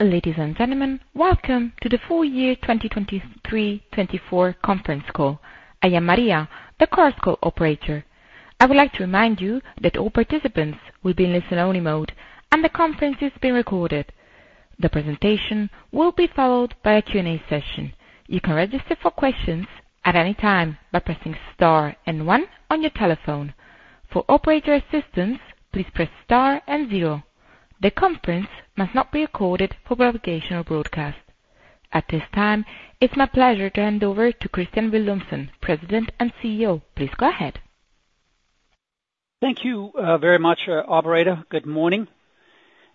Ladies and gentlemen, welcome to the full year 2023-24 conference call. I am Maria, the conference call operator. I would like to remind you that all participants will be in listen-only mode and the conference is being recorded. The presentation will be followed by a Q&A session. You can register for questions at any time by pressing star and one on your telephone. For operator assistance, please press star and zero. The conference must not be recorded for publication or broadcast. At this time, it's my pleasure to hand over to Kristian Villumsen, President and CEO. Please go ahead. Thank you very much, Operator. Good morning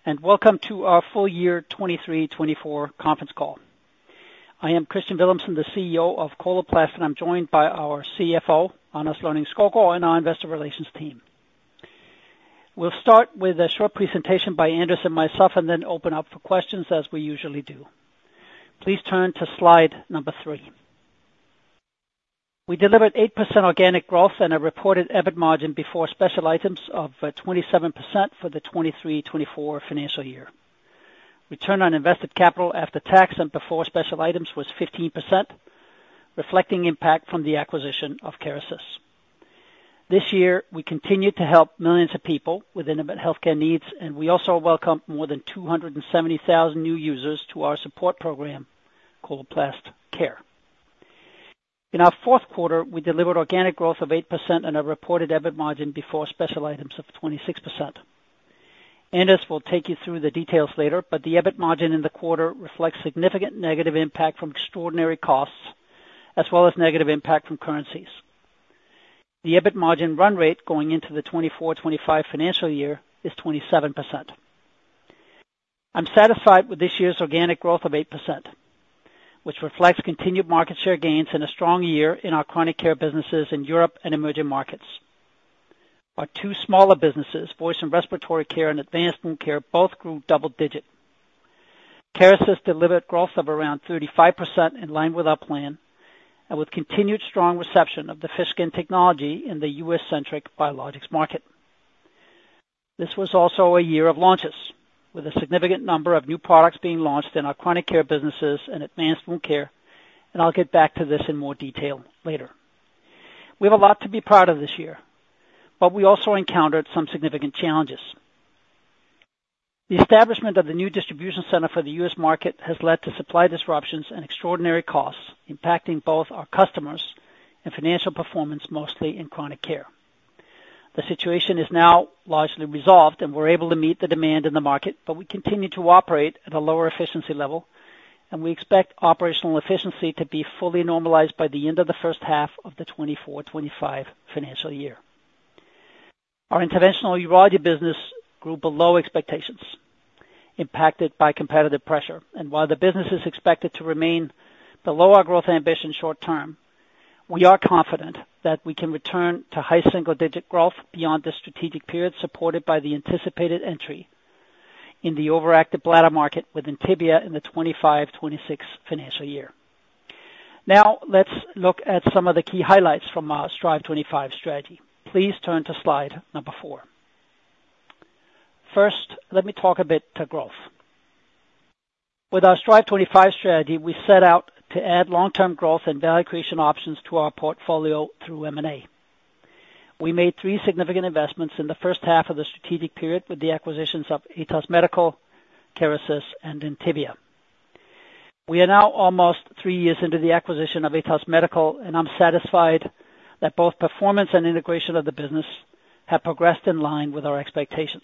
and welcome to our full year 2023-24 conference call. I am Kristian Villumsen, the CEO of Coloplast, and I'm joined by our CFO, Anders Lonning-Skovgaard, and our investor relations team. We'll start with a short presentation by Anders and myself and then open up for questions as we usually do. Please turn to slide number three. We delivered 8% organic growth and a reported EBIT margin before special items of 27% for the 2023-24 financial year. Return on invested capital after tax and before special items was 15%, reflecting impact from the acquisition of Kerecis. This year, we continued to help millions of people with intimate healthcare needs, and we also welcomed more than 270,000 new users to our support program, Coloplast Care. In our fourth quarter, we delivered organic growth of 8% and a reported EBIT margin before special items of 26%. Anders will take you through the details later, but the EBIT margin in the quarter reflects significant negative impact from extraordinary costs as well as negative impact from currencies. The EBIT margin run rate going into the 2024-25 financial year is 27%. I'm satisfied with this year's organic growth of 8%, which reflects continued market share gains and a strong year in our Chronic Care businesses in Europe and emerging markets. Our two smaller businesses, Voice and Respiratory Care and Advanced Wound Care, both grew double digit. Kerecis delivered growth of around 35% in line with our plan and with continued strong reception of the fish skin technology in the U.S.-centric biologics market. This was also a year of launches with a significant number of new products being launched in our Chronic Care businesses and Advanced Wound Care, and I'll get back to this in more detail later. We have a lot to be proud of this year, but we also encountered some significant challenges. The establishment of the new distribution center for the U.S. market has led to supply disruptions and extraordinary costs impacting both our customers and financial performance, mostly in Chronic Care. The situation is now largely resolved, and we're able to meet the demand in the market, but we continue to operate at a lower efficiency level, and we expect operational efficiency to be fully normalized by the end of the first half of the 2024-25 financial year. Our Interventional Urology business grew below expectations, impacted by competitive pressure, and while the business is expected to remain below our growth ambition short term, we are confident that we can return to high single-digit growth beyond the strategic period supported by the anticipated entry in the overactive bladder market within the Tibial segment in the 2025-26 financial year. Now, let's look at some of the key highlights from our Strive25 strategy. Please turn to slide number four. First, let me talk a bit to growth. With our Strive25 strategy, we set out to add long-term growth and value creation options to our portfolio through M&A. We made three significant investments in the first half of the strategic period with the acquisitions of Atos Medical, Kerecis, and Intibia. We are now almost three years into the acquisition of Atos Medical, and I'm satisfied that both performance and integration of the business have progressed in line with our expectations.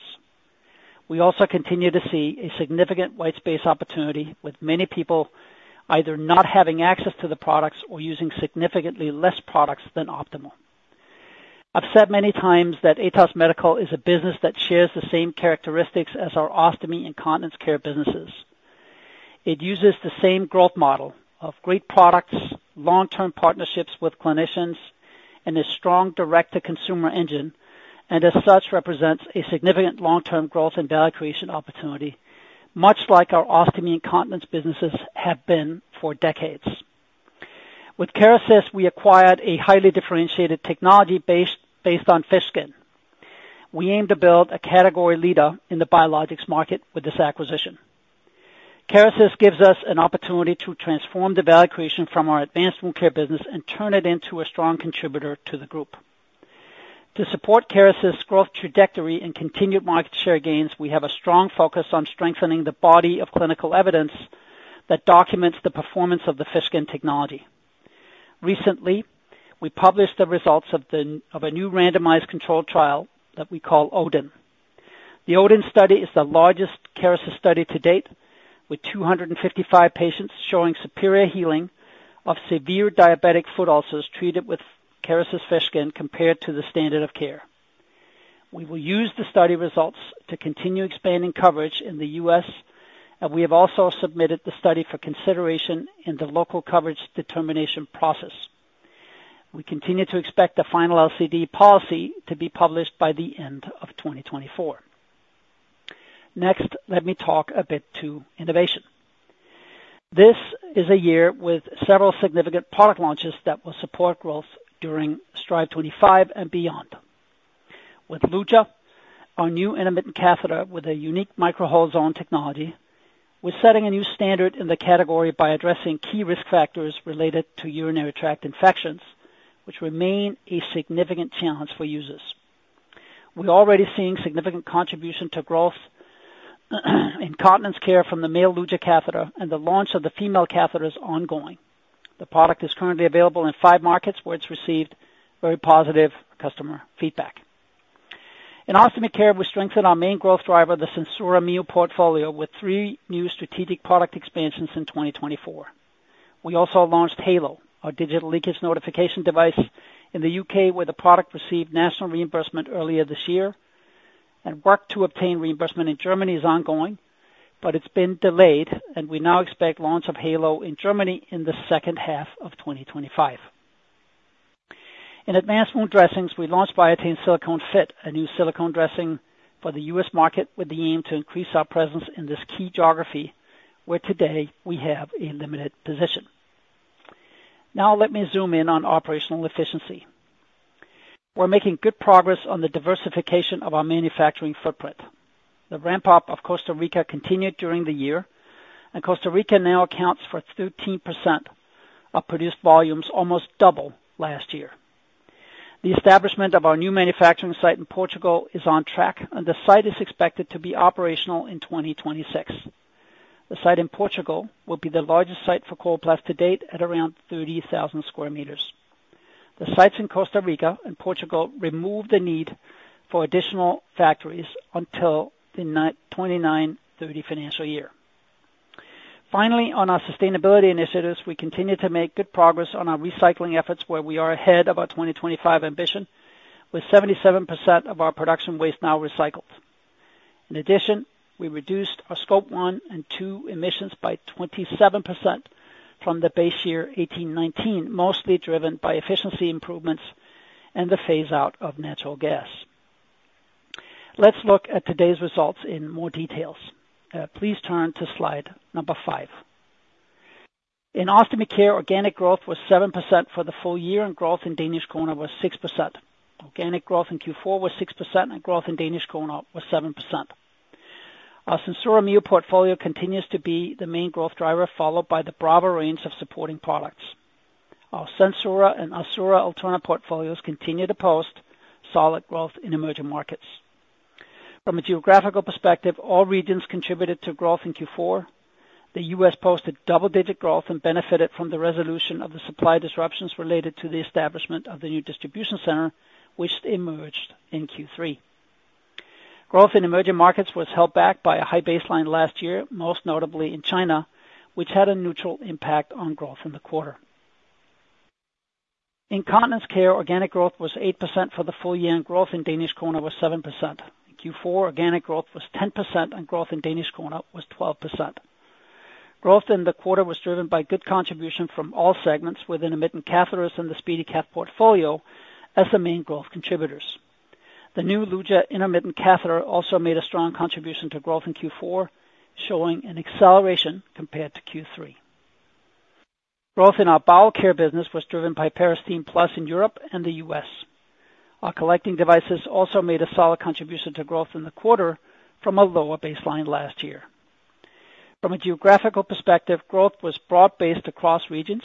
We also continue to see a significant white space opportunity with many people either not having access to the products or using significantly less products than optimal. I've said many times that Atos Medical is a business that shares the same characteristics as our ostomy and Continence Care businesses. It uses the same growth model of great products, long-term partnerships with clinicians, and a strong direct-to-consumer engine, and as such represents a significant long-term growth and value creation opportunity, much like our ostomy Continence Care businesses have been for decades. With Kerecis, we acquired a highly differentiated technology based on fish skin. We aim to build a category leader in the biologics market with this acquisition. Kerecis gives us an opportunity to transform the value creation from our Advanced Wound Care business and turn it into a strong contributor to the group. To support Kerecis' growth trajectory and continued market share gains, we have a strong focus on strengthening the body of clinical evidence that documents the performance of the fish skin technology. Recently, we published the results of a new randomized controlled trial that we call ODIN. The ODIN study is the largest Kerecis study to date, with 255 patients showing superior healing of severe diabetic foot ulcers treated with Kerecis fish skin compared to the standard of care. We will use the study results to continue expanding coverage in the U.S., and we have also submitted the study for consideration in the local coverage determination process. We continue to expect the final LCD policy to be published by the end of 2024. Next, let me talk a bit about innovation. This is a year with several significant product launches that will support growth during Strive25 and beyond. With Luja, our new intermittent catheter with a unique micro-hole zone technology, we're setting a new standard in the category by addressing key risk factors related to urinary tract infections, which remain a significant challenge for users. We're already seeing significant contribution to growth in Continence Care from the male Luja catheter, and the launch of the female catheter is ongoing. The product is currently available in five markets where it's received very positive customer feedback. In Ostomy Care, we strengthened our main growth driver, the SenSura Mio portfolio, with three new strategic product expansions in 2024. We also launched Heylo, our digital leakage notification device in the U.K., where the product received national reimbursement earlier this year. Work to obtain reimbursement in Germany is ongoing, but it's been delayed, and we now expect launch of Heylo in Germany in the second half of 2025. In Advanced Wound Dressings, we launched Biatain Silicone Fit, a new silicone dressing for the U.S. market with the aim to increase our presence in this key geography where today we have a limited position. Now, let me zoom in on operational efficiency. We're making good progress on the diversification of our manufacturing footprint. The ramp-up of Costa Rica continued during the year, and Costa Rica now accounts for 13% of produced volumes, almost double last year. The establishment of our new manufacturing site in Portugal is on track, and the site is expected to be operational in 2026. The site in Portugal will be the largest site for Coloplast to date at around 30,000 square meters. The sites in Costa Rica and Portugal remove the need for additional factories until the 2029-2030 financial year. Finally, on our sustainability initiatives, we continue to make good progress on our recycling efforts where we are ahead of our 2025 ambition with 77% of our production waste now recycled. In addition, we reduced our Scope 1 and 2 emissions by 27% from the base year 2018-2019, mostly driven by efficiency improvements and the phase-out of natural gas. Let's look at today's results in more details. Please turn to slide number five. In Ostomy Care, organic growth was 7% for the full year, and growth in Danish Krone was 6%. Organic growth in Q4 was 6%, and growth in Danish Krone was 7%. Our SenSura Mio portfolio continues to be the main growth driver, followed by the broader range of supporting products. Our SenSura and Assura Alterna portfolios continue to post solid growth in emerging markets. From a geographical perspective, all regions contributed to growth in Q4. The U.S. posted double-digit growth and benefited from the resolution of the supply disruptions related to the establishment of the new distribution center, which emerged in Q3. Growth in emerging markets was held back by a high baseline last year, most notably in China, which had a neutral impact on growth in the quarter. In Continence Care, organic growth was 8% for the full year, and growth in DKK was 7%. In Q4, organic growth was 10%, and growth in DKK was 12%. Growth in the quarter was driven by good contribution from all segments with intermittent catheters and the SpeediCath portfolio as the main growth contributors. The new Luja intermittent catheter also made a strong contribution to growth in Q4, showing an acceleration compared to Q3. Growth in our bowel care business was driven by Peristeen Plus in Europe and the U.S. Our collecting devices also made a solid contribution to growth in the quarter from a lower baseline last year. From a geographical perspective, growth was broad-based across regions.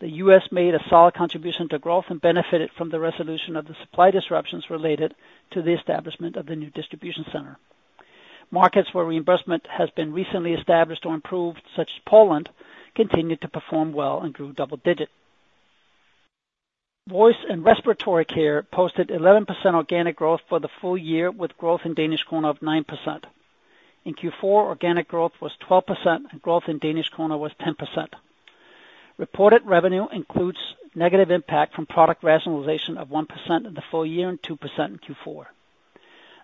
The U.S. made a solid contribution to growth and benefited from the resolution of the supply disruptions related to the establishment of the new distribution center. Markets where reimbursement has been recently established or improved, such as Poland, continued to perform well and grew double digit. Voice and Respiratory Care posted 11% organic growth for the full year, with growth in DKK of 9%. In Q4, organic growth was 12%, and growth in DKK was 10%. Reported revenue includes negative impact from product rationalization of 1% in the full year and 2% in Q4.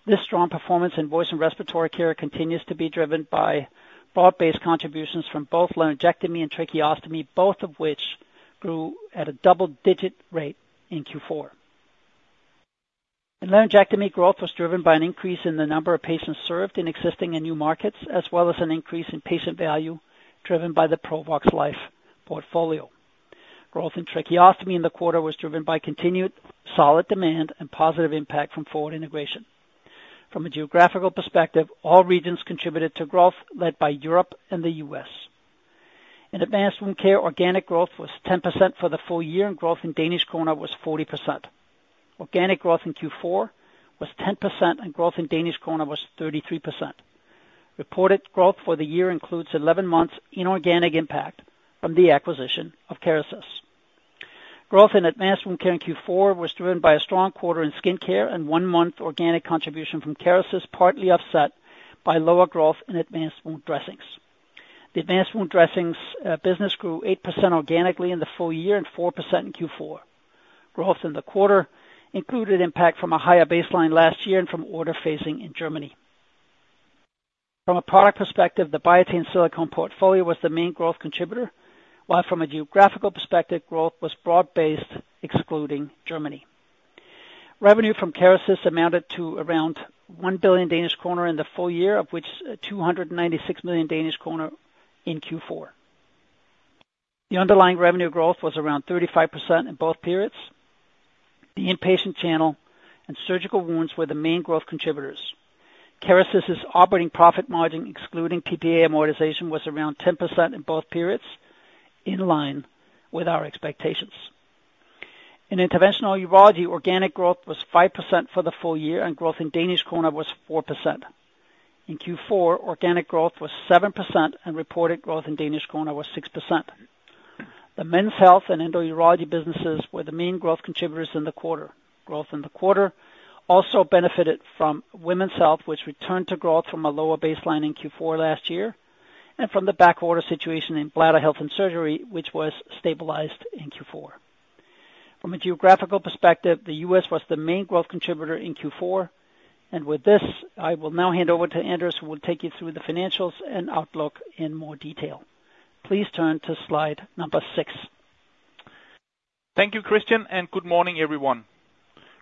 This strong performance in voice and respiratory care continues to be driven by broad-based contributions from both laryngectomy and tracheostomy, both of which grew at a double-digit rate in Q4. In laryngectomy, growth was driven by an increase in the number of patients served in existing and new markets, as well as an increase in patient value driven by the Provox Life portfolio. Growth in tracheostomy in the quarter was driven by continued solid demand and positive impact from forward integration. From a geographical perspective, all regions contributed to growth led by Europe and the U.S. In Advanced Wound Care, organic growth was 10% for the full year, and growth in Danish krone was 40%. Organic growth in Q4 was 10%, and growth in Danish krone was 33%. Reported growth for the year includes 11 months in organic impact from the acquisition of Kerecis. Growth in Advanced Wound Care in Q4 was driven by a strong quarter in skin care and one-month organic contribution from Kerecis, partly offset by lower growth in Advanced Wound Dressings. The Advanced Wound Dressings business grew 8% organically in the full year and 4% in Q4. Growth in the quarter included impact from a higher baseline last year and from order phasing in Germany. From a product perspective, the Biatain Silicone portfolio was the main growth contributor, while from a geographical perspective, growth was broad-based excluding Germany. Revenue from Kerecis amounted to around 1 billion Danish kroner in the full year, of which 296 million Danish kroner in Q4. The underlying revenue growth was around 35% in both periods. The inpatient channel and surgical wounds were the main growth contributors. Kerecis' operating profit margin excluding PPA amortization was around 10% in both periods, in line with our expectations. In Interventional Urology, organic growth was 5% for the full year, and growth in Danish kroner was 4%. In Q4, organic growth was 7%, and reported growth in Danish kroner was 6%. The Men's Health and Endourology businesses were the main growth contributors in the quarter. Growth in the quarter also Women's Health, which returned to growth from a lower baseline in Q4 last year and from the backorder situation in Bladder Health and Surgery, which was stabilized in Q4. From a geographical perspective, the U.S. was the main growth contributor in Q4, and with this, I will now hand over to Anders, who will take you through the financials and outlook in more detail. Please turn to slide number six. Thank you, Christian, and good morning, everyone.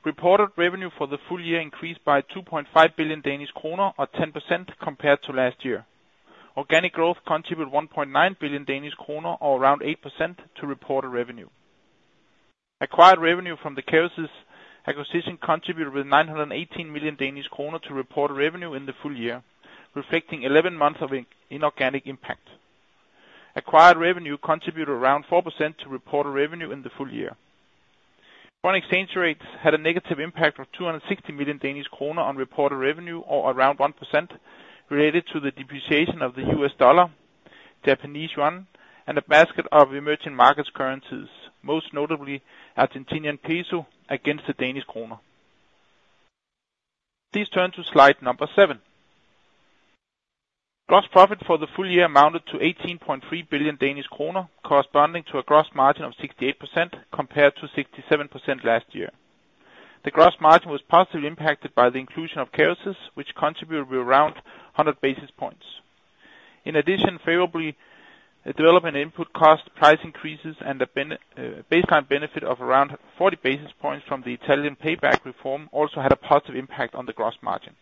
Reported revenue for the full year increased by 2.5 billion Danish kroner or 10% compared to last year. Organic growth contributed 1.9 billion Danish kroner or around 8% to reported revenue. Acquired revenue from the Kerecis acquisition contributed with 918 million Danish kroner to reported revenue in the full year, reflecting 11 months of inorganic impact. Acquired revenue contributed around 4% to reported revenue in the full year. Foreign exchange rates had a negative impact of 260 million Danish kroner on reported revenue, or around 1%, related to the depreciation of the U.S. dollar, Japanese yen, and a basket of emerging market currencies, most notably Argentine peso against the Danish krone. Please turn to slide number 7. Gross profit for the full year amounted to 18.3 billion Danish kroner, corresponding to a gross margin of 68% compared to 67% last year. The gross margin was positively impacted by the inclusion of Kerecis, which contributed with around 100 basis points. In addition, favorably developing input cost price increases and a baseline benefit of around 40 basis points from the Italian payback reform also had a positive impact on the gross margin.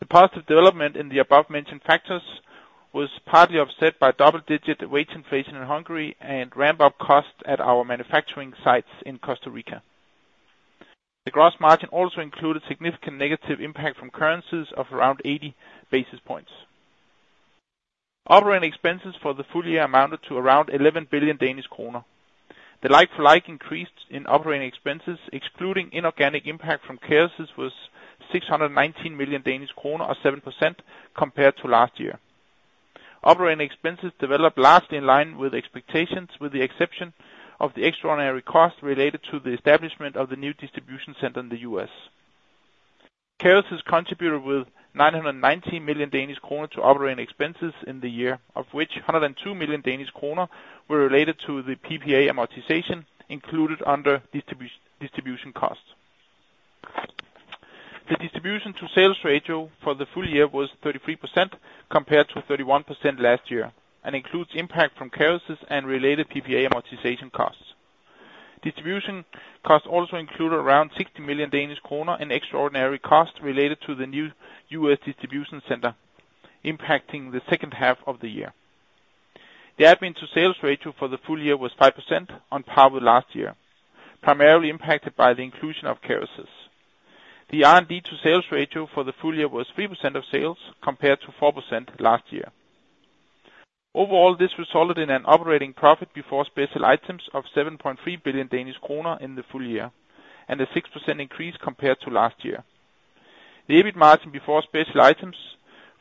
The positive development in the above-mentioned factors was partly offset by double-digit weight inflation in Hungary and ramp-up costs at our manufacturing sites in Costa Rica. The gross margin also included significant negative impact from currencies of around 80 basis points. Operating expenses for the full year amounted to around 11 billion Danish kroner. The like-for-like increased in operating expenses, excluding inorganic impact from Kerecis, was 619 million Danish kroner or 7% compared to last year. Operating expenses developed largely in line with expectations, with the exception of the extraordinary cost related to the establishment of the new distribution center in the U.S. Kerecis contributed with 919 million Danish kroner to operating expenses in the year, of which 102 million Danish kroner were related to the PPA amortization included under distribution cost. The distribution to sales ratio for the full year was 33% compared to 31% last year and includes impact from Kerecis and related PPA amortization costs. Distribution costs also included around 60 million Danish kroner in extraordinary cost related to the new U.S. distribution center, impacting the second half of the year. The admin to sales ratio for the full year was 5% on par with last year, primarily impacted by the inclusion of Kerecis. The R&D to sales ratio for the full year was 3% of sales compared to 4% last year. Overall, this resulted in an operating profit before special items of 7.3 billion Danish kroner in the full year and a 6% increase compared to last year. The EBIT margin before special items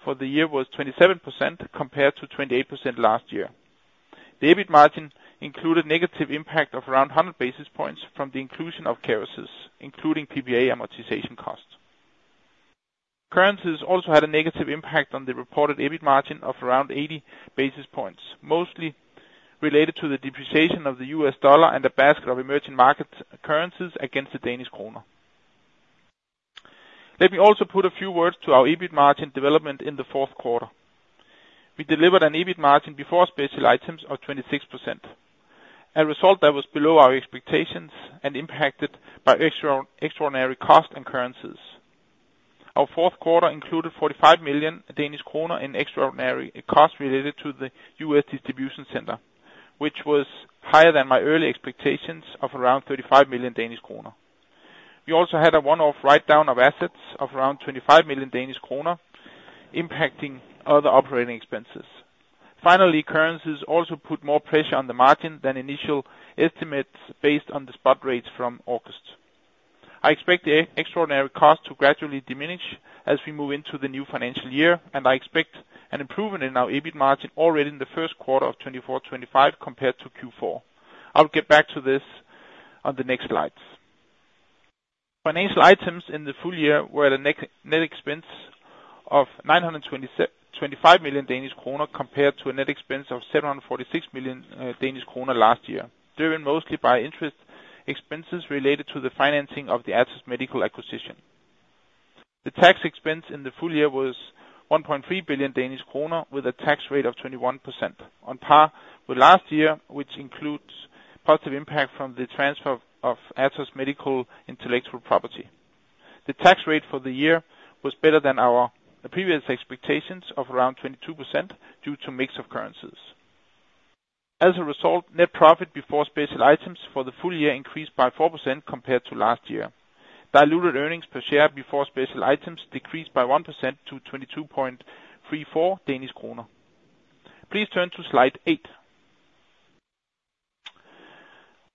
for the year was 27% compared to 28% last year. The EBIT margin included negative impact of around 100 basis points from the inclusion of Kerecis, including PPA amortization cost. Currencies also had a negative impact on the reported EBIT margin of around 80 basis points, mostly related to the depreciation of the U.S. dollar and a basket of emerging market currencies against the Danish kroner. Let me also put a few words to our EBIT margin development in the fourth quarter. We delivered an EBIT margin before special items of 26%, a result that was below our expectations and impacted by extraordinary cost and currencies. Our fourth quarter included 45 million Danish kroner in extraordinary cost related to the U.S. distribution center, which was higher than my early expectations of around 35 million Danish kroner. We also had a one-off write-down of assets of around 25 million Danish kroner, impacting other operating expenses. Finally, currencies also put more pressure on the margin than initial estimates based on the spot rates from August. I expect the extraordinary cost to gradually diminish as we move into the new financial year, and I expect an improvement in our EBIT margin already in the first quarter of 2024-2025 compared to Q4. I'll get back to this on the next slides. Financial items in the full year were a net expense of 925 million Danish kroner compared to a net expense of 746 million Danish kroner last year, driven mostly by interest expenses related to the financing of the Atos Medical acquisition. The tax expense in the full year was 1.3 billion Danish kroner with a tax rate of 21%, on par with last year, which includes positive impact from the transfer of Atos Medical intellectual property. The tax rate for the year was better than our previous expectations of around 22% due to mix of currencies. As a result, net profit before special items for the full year increased by 4% compared to last year. Diluted earnings per share before special items decreased by 1% to 22.34 Danish kroner. Please turn to Slide 8.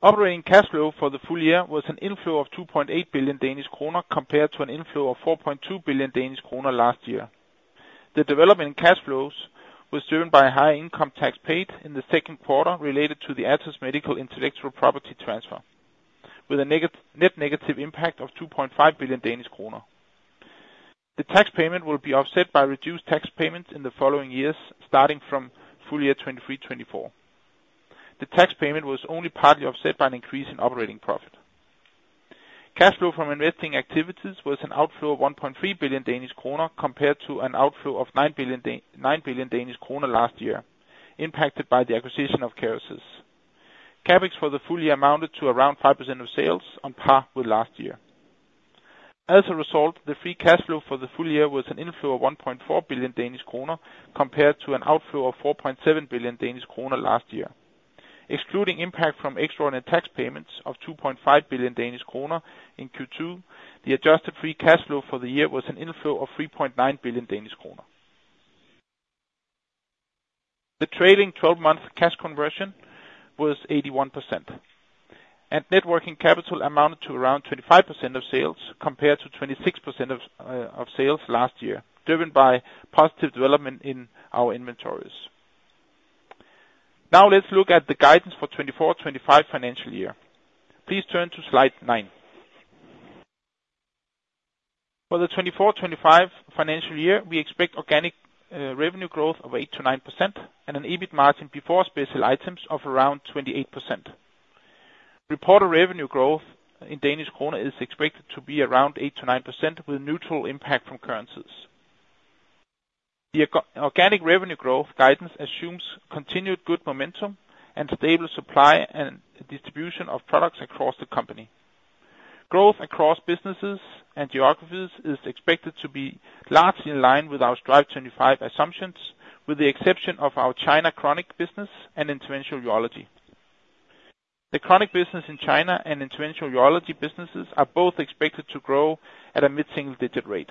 Operating cash flow for the full year was an inflow of 2.8 billion Danish kroner compared to an inflow of 4.2 billion Danish kroner last year. The developing cash flows were driven by higher income tax paid in the second quarter related to the Atos Medical intellectual property transfer, with a net negative impact of 2.5 billion Danish kroner. The tax payment will be offset by reduced tax payments in the following years starting from full year 2023-24. The tax payment was only partly offset by an increase in operating profit. Cash flow from investing activities was an outflow of 1.3 billion Danish kroner compared to an outflow of 9 billion Danish krone last year, impacted by the acquisition of Kerecis. CapEx for the full year amounted to around 5% of sales, on par with last year. As a result, the free cash flow for the full year was an inflow of 1.4 billion Danish kroner compared to an outflow of 4.7 billion Danish kroner last year. Excluding impact from extraordinary tax payments of 2.5 billion Danish kroner in Q2, the adjusted free cash flow for the year was an inflow of 3.9 billion Danish kroner. The trailing 12-month cash conversion was 81%, and net working capital amounted to around 25% of sales compared to 26% of sales last year, driven by positive development in our inventories. Now let's look at the guidance for 2024-2025 financial year. Please turn to Slide 9. For the 2024-2025 financial year, we expect organic revenue growth of 8%-9% and an EBIT margin before special items of around 28%. Reported revenue growth in Danish kroner is expected to be around 8%-9% with neutral impact from currencies. The organic revenue growth guidance assumes continued good momentum and stable supply and distribution of products across the company. Growth across businesses and geographies is expected to be largely in line with our Strive25 assumptions, with the exception of our China Chronic business and Interventional Urology. The chronic business in China and Interventional Urology businesses are both expected to grow at a mid-single-digit rate.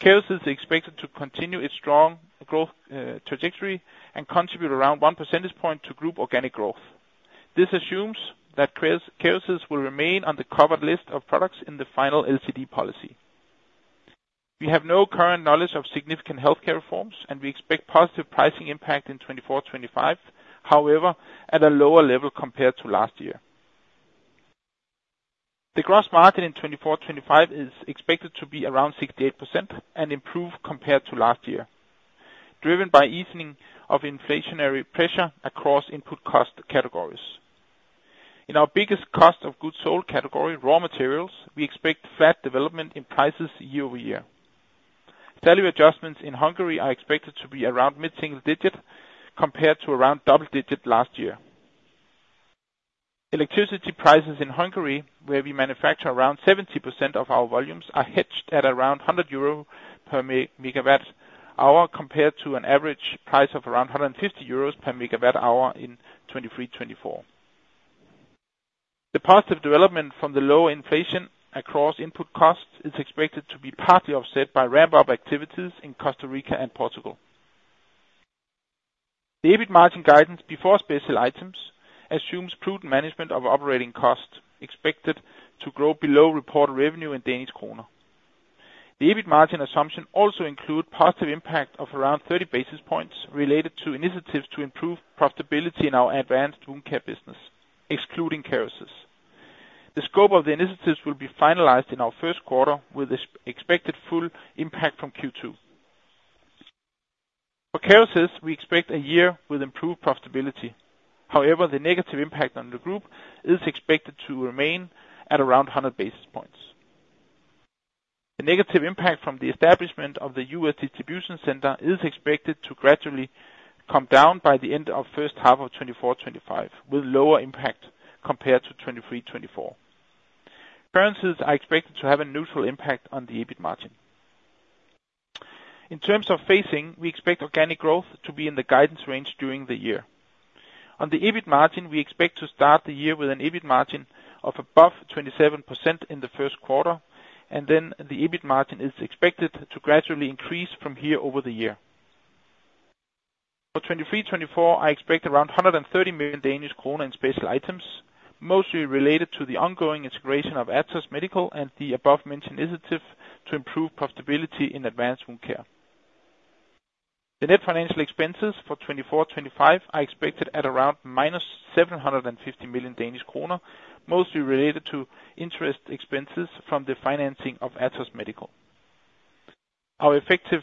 Kerecis is expected to continue its strong growth trajectory and contribute around one percentage point to group organic growth. This assumes that Kerecis will remain on the covered list of products in the final LCD policy. We have no current knowledge of significant healthcare reforms, and we expect positive pricing impact in 2024-2025, however, at a lower level compared to last year. The gross margin in 2024-2025 is expected to be around 68% and improve compared to last year, driven by easing of inflationary pressure across input cost categories. In our biggest cost of goods sold category, raw materials, we expect flat development in prices year over year. Salary adjustments in Hungary are expected to be around mid-single digit compared to around double digit last year. Electricity prices in Hungary, where we manufacture around 70% of our volumes, are hedged at around 100 euro per megawatt hour compared to an average price of around 150 euros per megawatt hour in 2023-2024. The positive development from the lower inflation across input cost is expected to be partly offset by ramp-up activities in Costa Rica and Portugal. The EBIT margin guidance before special items assumes prudent management of operating cost, expected to grow below reported revenue in Danish kroner. The EBIT margin assumption also includes positive impact of around 30 basis points related to initiatives to improve profitability in our Advanced Wound Care business, excluding Kerecis. The scope of the initiatives will be finalized in our first quarter, with the expected full impact from Q2. For Kerecis, we expect a year with improved profitability. However, the negative impact on the group is expected to remain at around 100 basis points. The negative impact from the establishment of the U.S. distribution center is expected to gradually come down by the end of the first half of 2024-25, with lower impact compared to 2023-24. Currencies are expected to have a neutral impact on the EBIT margin. In terms of phasing, we expect organic growth to be in the guidance range during the year. On the EBIT margin, we expect to start the year with an EBIT margin of above 27% in the first quarter, and then the EBIT margin is expected to gradually increase from here over the year. For 2023-2024, I expect around 130 million Danish kroner in special items, mostly related to the ongoing integration of Atos Medical and the above-mentioned initiative to improve profitability in Advanced Wound Care. The net financial expenses for 2024-2025 are expected at around minus 750 million Danish kroner, mostly related to interest expenses from the financing of Atos Medical. Our effective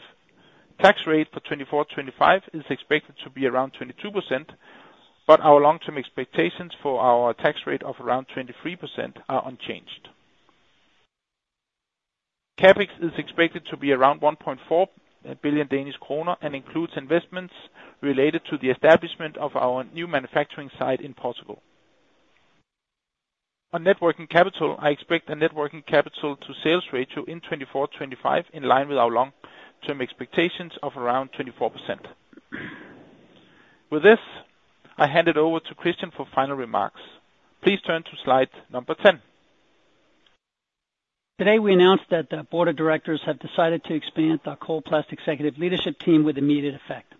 tax rate for 2024-2025 is expected to be around 22%, but our long-term expectations for our tax rate of around 23% are unchanged. CapEx is expected to be around 1.4 billion Danish kroner and includes investments related to the establishment of our new manufacturing site in Portugal. On net working capital, I expect a net working capital to sales ratio in 2024-25 in line with our long-term expectations of around 24%. With this, I hand it over to Kristian for final remarks. Please turn to Slide 10. Today, we announced that the board of directors have decided to expand the Coloplast Executive Leadership Team with immediate effect.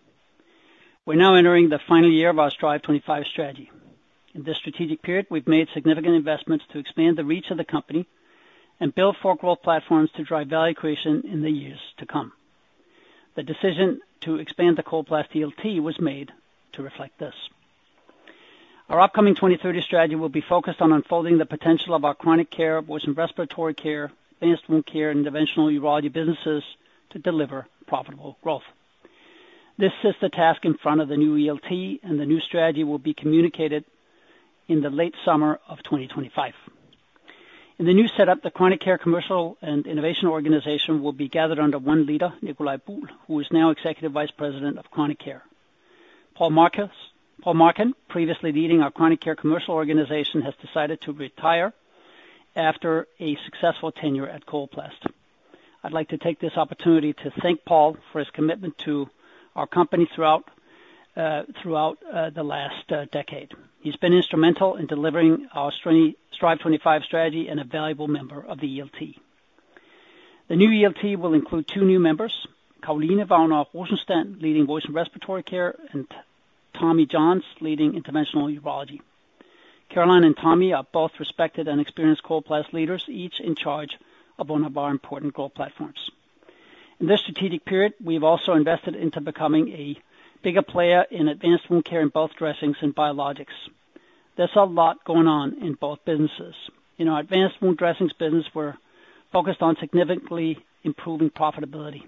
We're now entering the final year of our Strive25 strategy. In this strategic period, we've made significant investments to expand the reach of the company and build growth platforms to drive value creation in the years to come. The decision to expand the Coloplast ELT was made to reflect this. Our upcoming 2030 strategy will be focused on unfolding the potential of our Chronic Care, voice and respiratory care, Advanced Wound Care, and Interventional Urology businesses to deliver profitable growth. This is the task in front of the new ELT, and the new strategy will be communicated in the late summer of 2025. In the new setup, the Chronic Care commercial and innovation organization will be gathered under one leader, Nicolai Buhl, who is now Executive Vice President of Chronic Care. Paul Marcun, previously leading our Chronic Care commercial organization, has decided to retire after a successful tenure at Coloplast. I'd like to take this opportunity to thank Paul for his commitment to our company throughout the last decade. He's been instrumental in delivering our Strive25 strategy and a valuable member of the ELT. The new ELT will include two new members, Caroline Vagner Rosenstand, leading Voice and Respiratory Care, and Tommy Jonsson, leading Interventional Urology. Caroline and Tommy are both respected and experienced Coloplast leaders, each in charge of one of our important growth platforms. In this strategic period, we've also invested into becoming a bigger player in Advanced Wound Care and both dressings and biologics. There's a lot going on in both businesses. In our Advanced Wound Dressings business, we're focused on significantly improving profitability.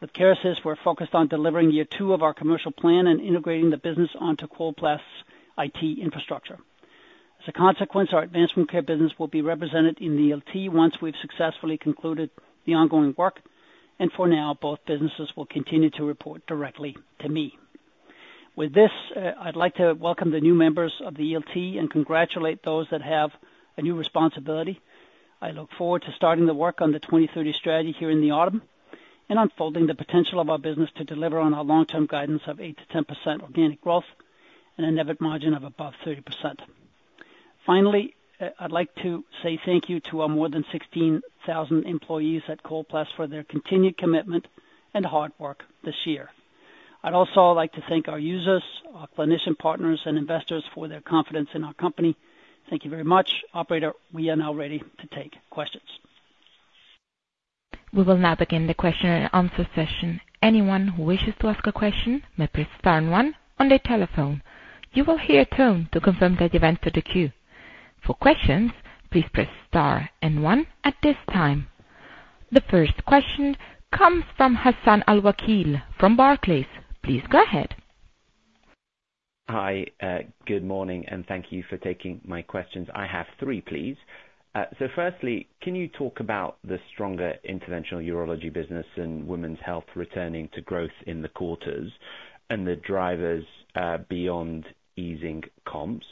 With Kerecis, we're focused on delivering year two of our commercial plan and integrating the business onto Coloplast's IT infrastructure. As a consequence, our Advanced Wound Care business will be represented in the ELT once we've successfully concluded the ongoing work, and for now, both businesses will continue to report directly to me. With this, I'd like to welcome the new members of the ELT and congratulate those that have a new responsibility. I look forward to starting the work on the 2030 strategy here in the autumn and unfolding the potential of our business to deliver on our long-term guidance of 8%-10% organic growth and a net margin of above 30%. Finally, I'd like to say thank you to our more than 16,000 employees at Coloplast for their continued commitment and hard work this year. I'd also like to thank our users, our clinician partners, and investors for their confidence in our company. Thank you very much. Operator, we are now ready to take questions. We will now begin the question and answer session. Anyone who wishes to ask a question may press star and one on their telephone. You will hear a tone to confirm that you've entered the queue. For questions, please press star and one at this time. The first question comes from Hassan Al-Wakeel from Barclays. Please go ahead. Hi, good morning, and thank you for taking my questions. I have three, please. So firstly, can you talk about the stronger Interventional Urology Women's Health returning to growth in the quarters and the drivers beyond easing comps?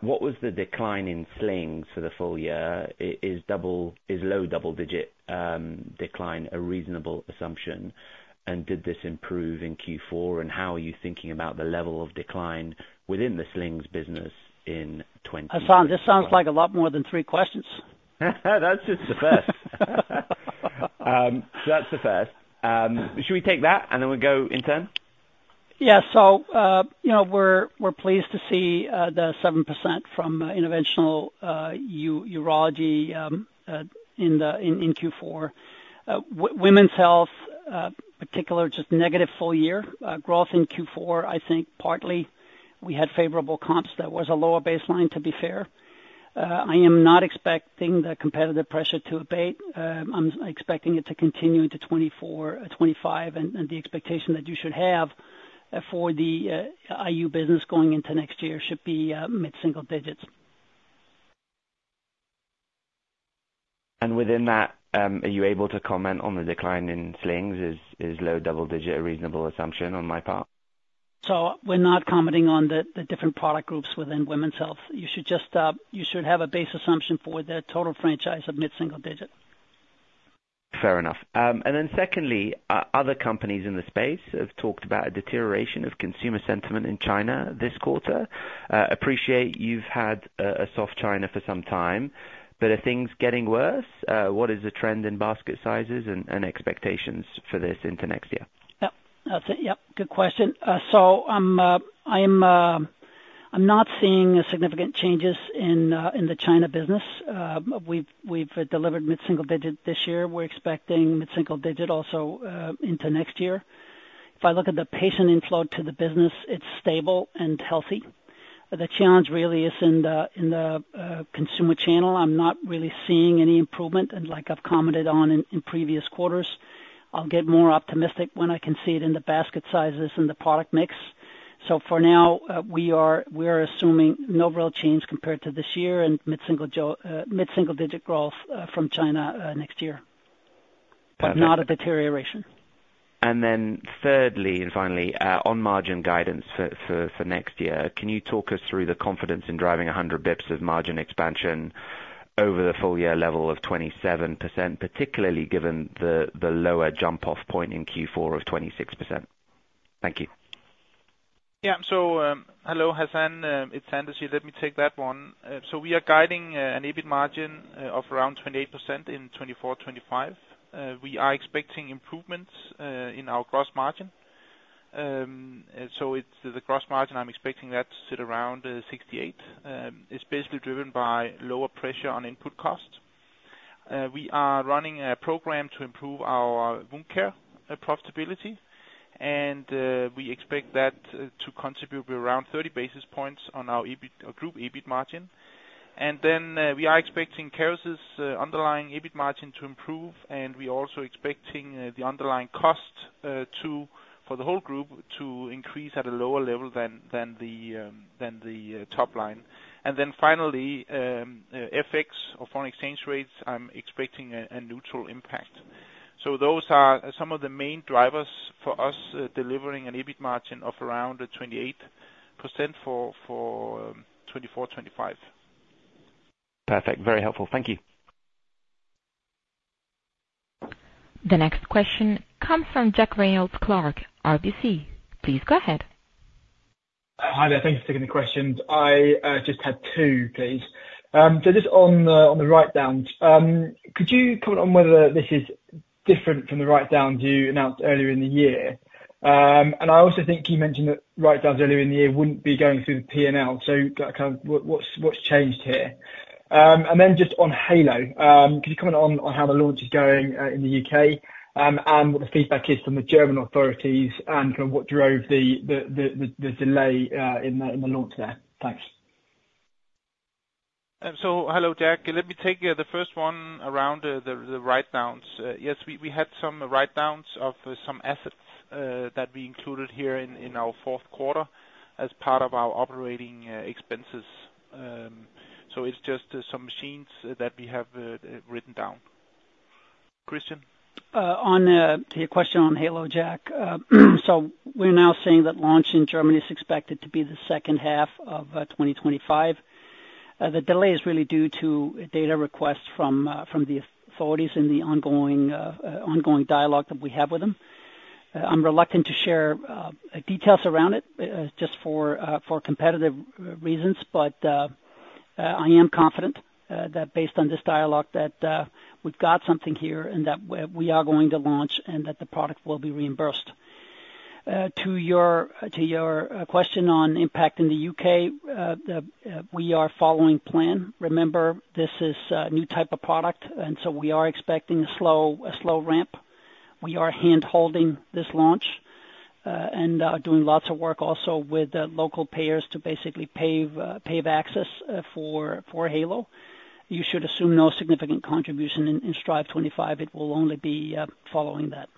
What was the decline in slings for the full year? Is low double-digit decline a reasonable assumption? And did this improve in Q4? And how are you thinking about the level of decline within the slings business in 2020? Hassan, this sounds like a lot more than three questions. That's just the first. That's the first. Should we take that and then we go in turn? Yeah. So we're pleased to see the 7% from Interventional Urology Women's Health, particularly just negative full year growth in Q4, I think partly we had favorable comps. That was a lower baseline, to be fair. I am not expecting the competitive pressure to abate. I'm expecting it to continue into 2024-2025, and the expectation that you should have for the IU business going into next year should be mid-single digits. And within that, are you able to comment on the decline in slings? Is low double-digit a reasonable assumption on my part? So we're not commenting on the different product Women's Health. you should have a base assumption for the total franchise of mid-single digit. Fair enough. And then secondly, other companies in the space have talked about a deterioration of consumer sentiment in China this quarter. Appreciate you've had a soft China for some time, but are things getting worse? What is the trend in basket sizes and expectations for this into next year? Yep. That's it. Yep. Good question. So I'm not seeing significant changes in the China business. We've delivered mid-single digit this year. We're expecting mid-single digit also into next year. If I look at the patient inflow to the business, it's stable and healthy. The challenge really is in the consumer channel. I'm not really seeing any improvement, and like I've commented on in previous quarters, I'll get more optimistic when I can see it in the basket sizes and the product mix. So for now, we are assuming no real change compared to this year and mid-single digit growth from China next year. Not a deterioration. And then thirdly and finally, on margin guidance for next year, can you talk us through the confidence in driving 100 basis points of margin expansion over the full year level of 27%, particularly given the lower jump-off point in Q4 of 26%? Thank you. Yeah. So hello, Hassan. It's Anders. Let me take that one. We are guiding an EBIT margin of around 28% in 2024-2025. We are expecting improvements in our gross margin, so the gross margin, I'm expecting that to sit around 68%. It's basically driven by lower pressure on input cost. We are running a program to improve our wound care profitability, and we expect that to contribute around 30 basis points on our group EBIT margin, and then we are expecting Kerecis' underlying EBIT margin to improve, and we are also expecting the underlying cost for the whole group to increase at a lower level than the top line, and then finally, FX or foreign exchange rates, I'm expecting a neutral impact, so those are some of the main drivers for us delivering an EBIT margin of around 28% for 2024-2025. Perfect. Very helpful. Thank you. The next question comes from Jack Reynolds-Clark, RBC. Please go ahead. Hi there. Thanks for taking the questions. I just had two, please. Just on the write-downs, could you comment on whether this is different from the write-downs you announced earlier in the year? And I also think you mentioned that write-downs earlier in the year wouldn't be going through the P&L. So what's changed here? And then just on Heylo, could you comment on how the launch is going in the U.K. and what the feedback is from the German authorities and what drove the delay in the launch there? Thanks. So hello, Jack. Let me take the first one around the write-downs. Yes, we had some write-downs of some assets that we included here in our fourth quarter as part of our operating expenses. So it's just some machines that we have written down. Christian? To your question on Heylo, Jack, so we're now seeing that launch in Germany is expected to be the second half of 2025. The delay is really due to data requests from the authorities and the ongoing dialogue that we have with them. I'm reluctant to share details around it just for competitive reasons, but I am confident that based on this dialogue, that we've got something here and that we are going to launch and that the product will be reimbursed. To your question on impact in the U.K., we are following plan. Remember, this is a new type of product, and so we are expecting a slow ramp. We are hand-holding this launch and doing lots of work also with local payers to basically pave access for Heylo. You should assume no significant contribution in Strive25. It will only be following that.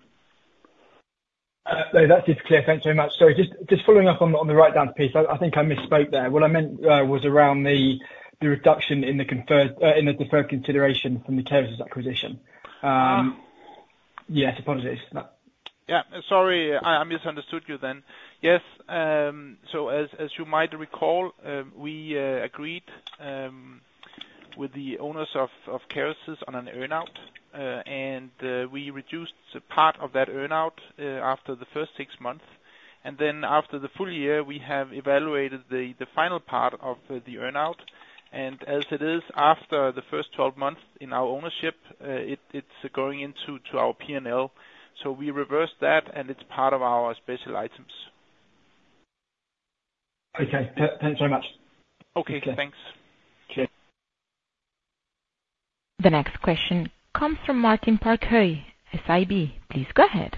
That's just clear. Thanks very much. So just following up on the write-downs piece, I think I misspoke there. What I meant was around the reduction in the deferred consideration from the Kerecis acquisition. Yes, apologies. Yeah. Sorry, I misunderstood you then. Yes. So as you might recall, we agreed with the owners of Kerecis on an earnout, and we reduced part of that earnout after the first six months. And then after the full year, we have evaluated the final part of the earnout. And as it is, after the first 12 months in our ownership, it's going into our P&L. So we reversed that, and it's part of our special items. Okay. Thanks very much. Okay. Thanks. Cheers. The next question comes from Martin Parkhøi, SEB. Please go ahead.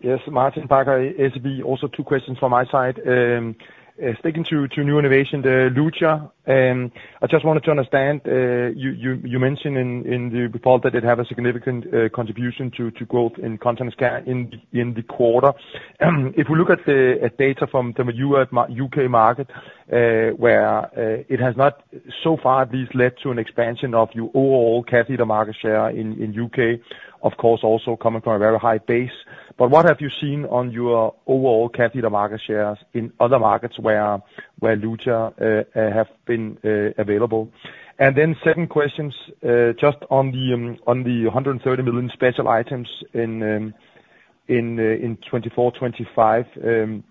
Yes. Martin Parkhøi, SEB. Also, two questions from my side. Speaking to new innovation, the Luja, I just wanted to understand. You mentioned in the report that it had a significant contribution to growth in continence in the quarter. If we look at data from the U.K. market, where it has not so far at least led to an expansion of your overall catheter market share in the U.K., of course, also coming from a very high base. But what have you seen on your overall catheter market shares in other markets where Luja have been available? And then second question, just on the 130 million special items in 2024-2025.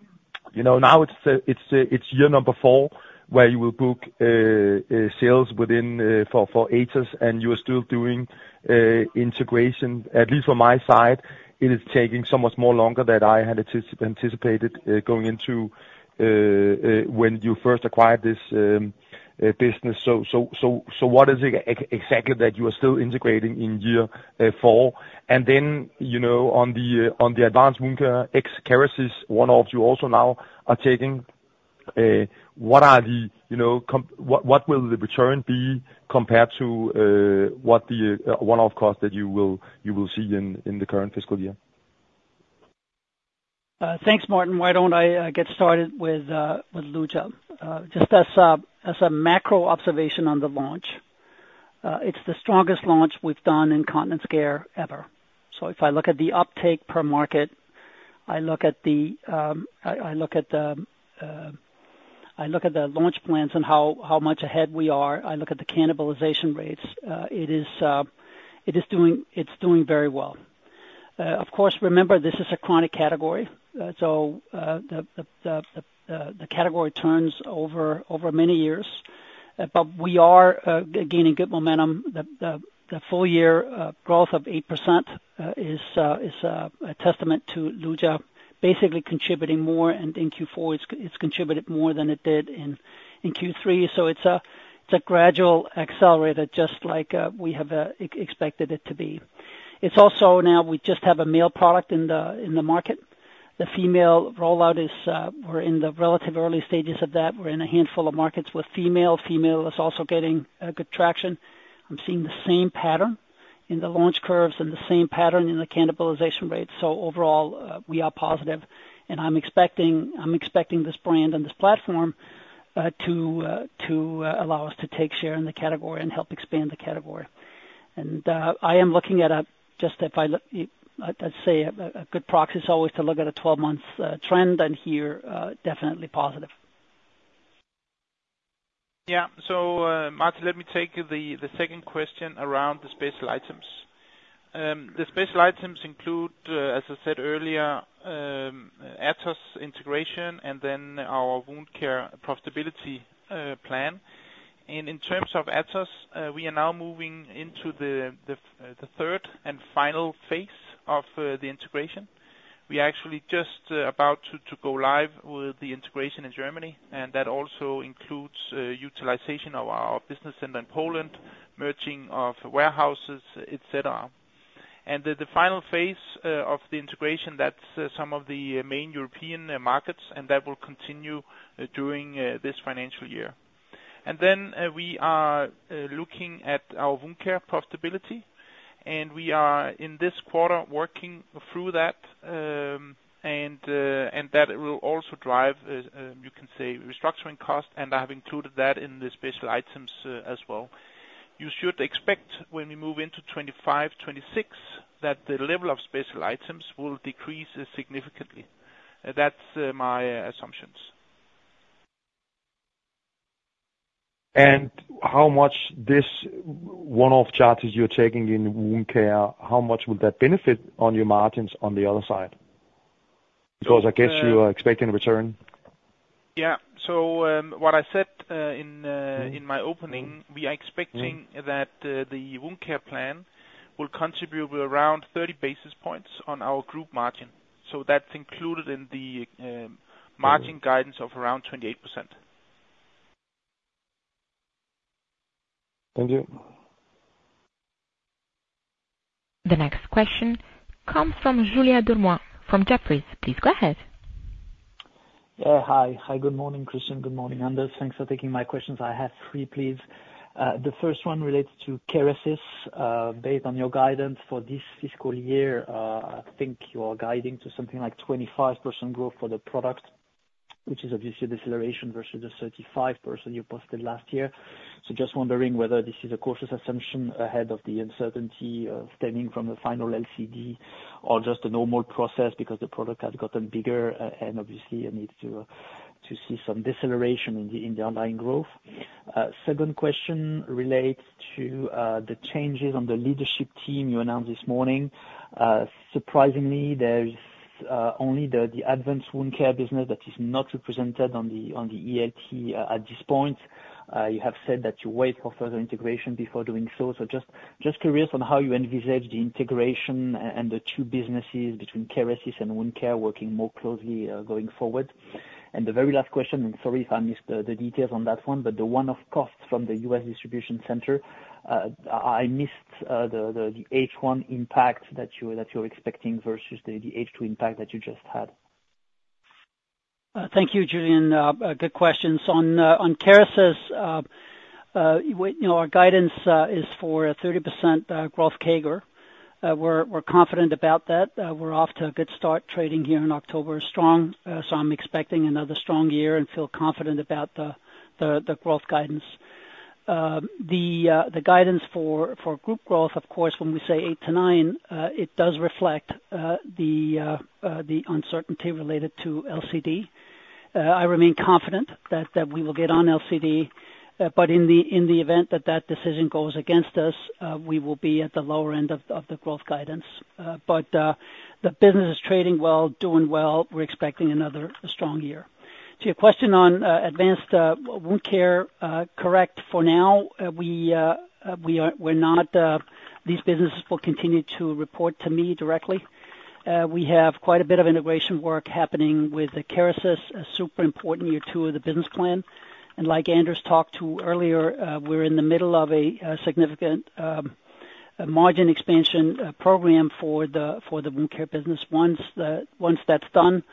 Now it's year number four where you will book sales within for Atos, and you are still doing integration. At least from my side, it is taking so much more longer than I had anticipated going into when you first acquired this business. So what is it exactly that you are still integrating in year four? Then on the Advanced Wound Care, Kerecis, one of you also now are taking. What will the return be compared to what the one-off cost that you will see in the current fiscal year? Thanks, Martin. Why don't I get started with Luja? Just as a macro observation on the launch, it's the strongest launch we've done in Continence Care ever. So if I look at the uptake per market, I look at the launch plans and how much ahead we are. I look at the cannibalization rates. It is doing very well. Of course, remember, this is a chronic category. So the category turns over many years, but we are gaining good momentum. The full year growth of 8% is a testament to Luja basically contributing more, and in Q4, it's contributed more than it did in Q3. It's a gradual accelerator, just like we have expected it to be. It's also now we just have a male product in the market. The female rollout is we're in the relatively early stages of that. We're in a handful of markets with female. Female is also getting good traction. I'm seeing the same pattern in the launch curves and the same pattern in the cannibalization rate. So overall, we are positive, and I'm expecting this brand and this platform to allow us to take share in the category and help expand the category. And I am looking at just, let's say, a good proxy is always to look at a 12-month trend, and here definitely positive. Yeah. So Martin, let me take the second question around the special items. The special items include, as I said earlier, Atos integration and then our wound care profitability plan. In terms of Atos, we are now moving into the third and final phase of the integration. We are actually just about to go live with the integration in Germany, and that also includes utilization of our business center in Poland, merging of warehouses, etc. The final phase of the integration, that's some of the main European markets, and that will continue during this financial year. Then we are looking at our wound care profitability, and we are in this quarter working through that, and that will also drive, you can say, restructuring cost, and I have included that in the special items as well. You should expect when we move into 2025-26 that the level of special items will decrease significantly. That's my assumptions. And how much this one-off charge that you're taking in wound care, how much will that benefit on your margins on the other side? Because I guess you are expecting a return. Yeah. So what I said in my opening, we are expecting that the wound care plan will contribute around 30 basis points on our group margin. So that's included in the margin guidance of around 28%. Thank you. The next question comes from Julien Dormois from Jefferies. Please go ahead. Yeah. Hi. Hi. Good morning, Kristian. Good morning, Anders. Thanks for taking my questions. I have three, please. The first one relates to Kerecis. Based on your guidance for this fiscal year, I think you are guiding to something like 25% growth for the product, which is obviously a deceleration versus the 35% you posted last year. So just wondering whether this is a cautious assumption ahead of the uncertainty stemming from the final LCD or just a normal process because the product has gotten bigger and obviously you need to see some deceleration in the underlying growth. Second question relates to the changes on the leadership team you announced this morning. Surprisingly, there's only the Advanced Wound Care business that is not represented on the ELT at this point. You have said that you wait for further integration before doing so. So just curious on how you envisage the integration and the two businesses between Kerecis and wound care working more closely going forward. And the very last question, and sorry if I missed the details on that one, but the one-off cost from the U.S. distribution center, I missed the H1 impact that you're expecting versus the H2 impact that you just had. Thank you, Julien. Good questions. On Kerecis, our guidance is for a 30% growth CAGR. We're confident about that. We're off to a good start trading here in October. Strong. So I'm expecting another strong year and feel confident about the growth guidance. The guidance for group growth, of course, when we say 8%-9%, it does reflect the uncertainty related to LCD. I remain confident that we will get an LCD, but in the event that that decision goes against us, we will be at the lower end of the growth guidance. But the business is trading well, doing well. We're expecting another strong year. To your question on Advanced Wound Care, correct. For now, we're not. These businesses will continue to report to me directly. We have quite a bit of integration work happening with Kerecis, a super important year two of the business plan. And like Anders talked to earlier, we're in the middle of a significant margin expansion program for the wound care business. Once that's done,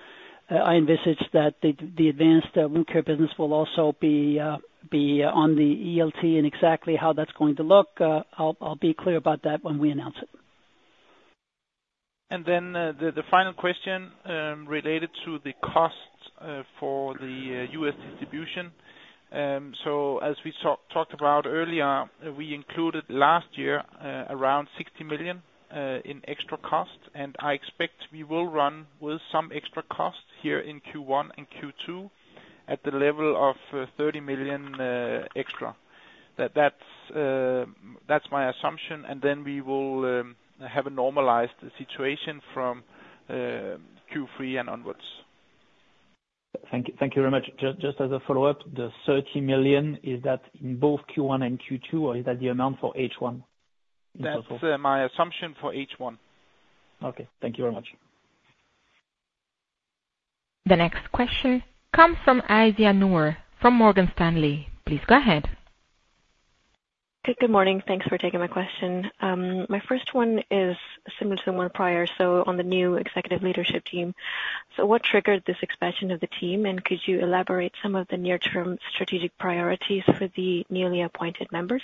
I envisage that the Advanced Wound Care business will also be on the ELT and exactly how that's going to look. I'll be clear about that when we announce it. And then the final question related to the cost for the U.S. distribution. So as we talked about earlier, we included last year around 60 million in extra cost, and I expect we will run with some extra cost here in Q1 and Q2 at the level of 30 million extra. That's my assumption. And then we will have a normalized situation from Q3 and onwards. Thank you very much. Just as a follow-up, the 30 million, is that in both Q1 and Q2, or is that the amount for H1? That's my assumption for H1. Okay. Thank you very much. The next question comes from Aisyah Noor from Morgan Stanley. Please go ahead. Good morning. Thanks for taking my question. My first one is similar to the one prior. So on the new executive leadership team, so what triggered this expansion of the team, and could you elaborate some of the near-term strategic priorities for the newly appointed members?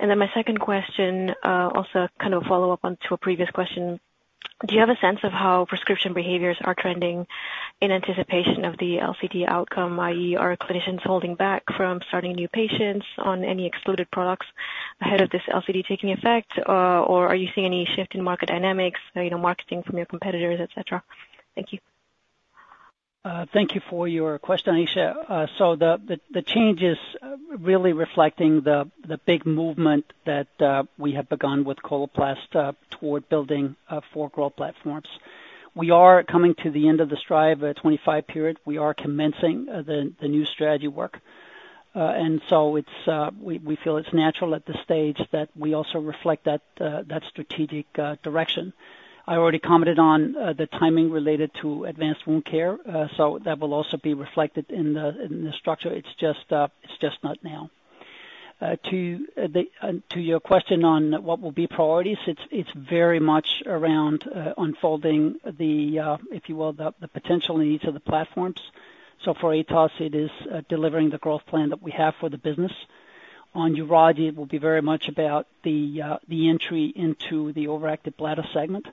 And then my second question, also kind of a follow-up onto a previous question, do you have a sense of how prescription behaviors are trending in anticipation of the LCD outcome, i.e., are clinicians holding back from starting new patients on any excluded products ahead of this LCD taking effect, or are you seeing any shift in market dynamics, marketing from your competitors, etc.? Thank you. Thank you for your question, Aisyah. The change is really reflecting the big movement that we have begun with Coloplast toward building four growth platforms. We are coming to the end of the Strive25 period. We are commencing the new strategy work. And so we feel it's natural at this stage that we also reflect that strategic direction. I already commented on the timing related to Advanced Wound Care, so that will also be reflected in the structure. It's just not now. To your question on what will be priorities, it's very much around unfolding the, if you will, the potential needs of the platforms. So for Atos, it is delivering the growth plan that we have for the business. on Interventional Urology, it will be very much about the entry into the overactive bladder segment.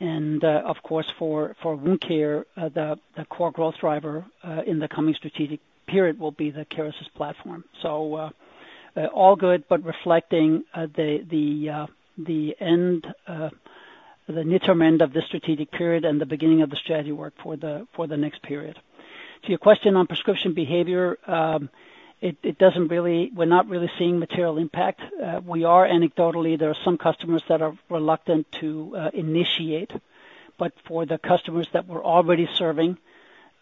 Of course, for wound care, the core growth driver in the coming strategic period will be the Kerecis platform. All good, but reflecting the near-term end of the strategic period and the beginning of the strategy work for the next period. To your question on prescription behavior, we're not really seeing material impact. We are anecdotally, there are some customers that are reluctant to initiate, but for the customers that we're already serving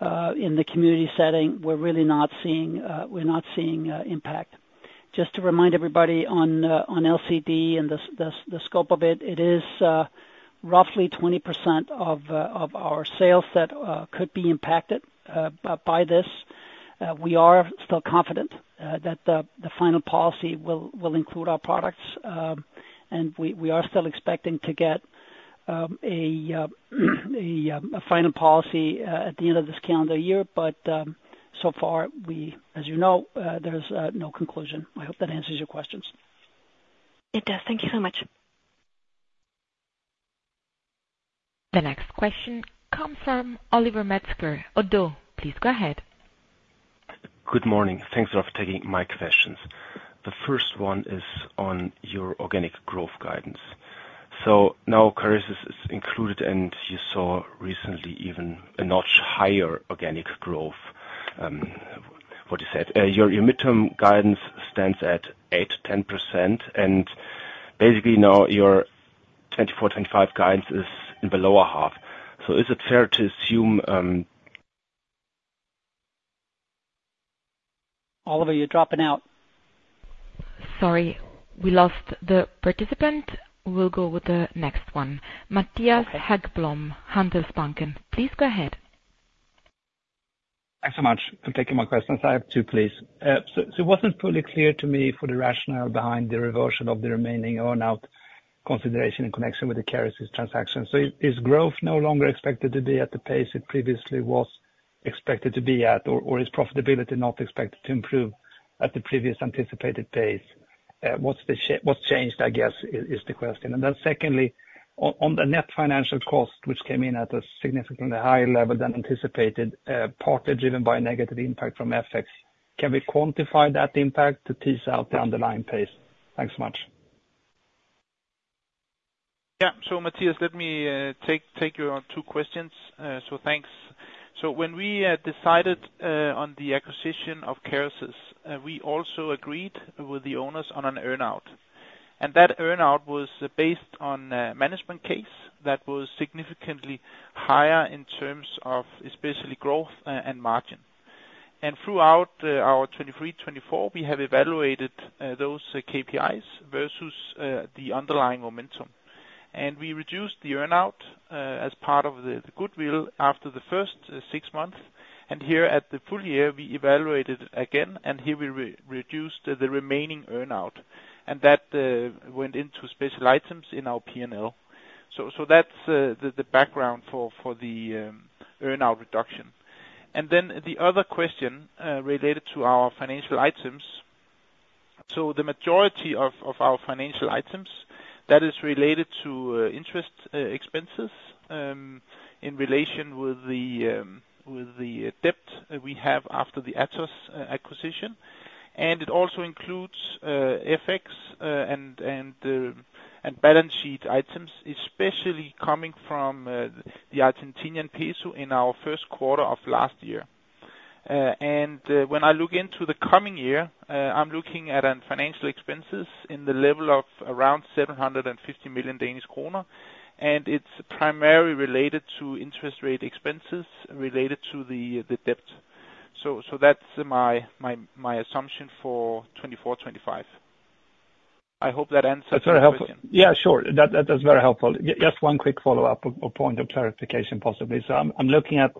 in the community setting, we're really not seeing impact. Just to remind everybody on LCD and the scope of it, it is roughly 20% of our sales that could be impacted by this. We are still confident that the final policy will include our products, and we are still expecting to get a final policy at the end of this calendar year, but so far, as you know, there's no conclusion. I hope that answers your questions. It does. Thank you so much. The next question comes from Oliver Metzger. Oddo, please go ahead. Good morning. Thanks for taking my questions. The first one is on your organic growth guidance. So now Kerecis is included, and you saw recently even a notch higher organic growth, what you said. Your mid-term guidance stands at 8%-10%, and basically now your 24-25 guidance is in the lower half. So is it fair to assume? Oliver, you're dropping out. Sorry. We lost the participant. We'll go with the next one. Mattias Häggblom, Handelsbanken. Please go ahead. Thanks so much for taking my questions. I have two, please. So it wasn't fully clear to me for the rationale behind the reversal of the remaining earnout consideration in connection with the Kerecis transaction. Is growth no longer expected to be at the pace it previously was expected to be at, or is profitability not expected to improve at the previous anticipated pace? What's changed, I guess, is the question. Then secondly, on the net financial cost, which came in at a significantly higher level than anticipated, partly driven by negative impact from FX, can we quantify that impact to tease out the underlying pace? Thanks so much. Yeah. Mattias, let me take your two questions. Thanks. When we decided on the acquisition of Kerecis, we also agreed with the owners on an earnout. And that earnout was based on a management case that was significantly higher in terms of especially growth and margin. And throughout our 2023-2024, we have evaluated those KPIs versus the underlying momentum. We reduced the earnout as part of the goodwill after the first six months. And here at the full year, we evaluated it again, and here we reduced the remaining earnout. And that went into special items in our P&L. So that's the background for the earnout reduction. And then the other question related to our financial items. So the majority of our financial items that is related to interest expenses in relation with the debt we have after the Atos acquisition. And it also includes FX and balance sheet items, especially coming from the Argentine peso in our first quarter of last year. And when I look into the coming year, I'm looking at financial expenses in the level of around 750 million Danish kroner, and it's primarily related to interest rate expenses related to the debt. So that's my assumption for 2024-2025. I hope that answers your question. That's very helpful. Yeah, sure. That's very helpful. Just one quick follow-up or point of clarification possibly. So I'm looking at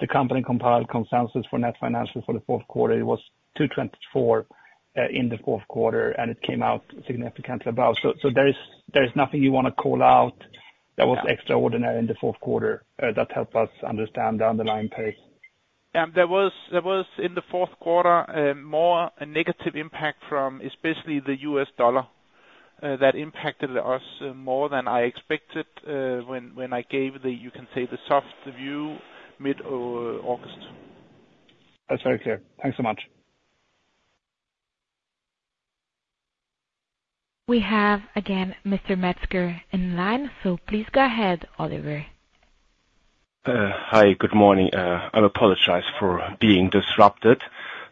the company-compiled consensus for net financials for the fourth quarter. It was 224 in the fourth quarter, and it came out significantly above. So there is nothing you want to call out that was extraordinary in the fourth quarter that helped us understand the underlying pace? There was in the fourth quarter more negative impact from especially the U.S. dollar that impacted us more than I expected when I gave the, you can say, the soft view mid-August. That's very clear. Thanks so much. We have, again, Mr. Metzger in line. So please go ahead, Oliver. Hi. Good morning. I apologize for being disrupted.